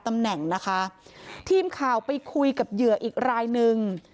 ตำแหน่งนะคะทีมข่าวไปคุยกับเหยื่ออีกรายนึง